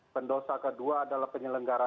pendosa kedua adalah penyelenggara